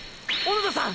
小野田さん！！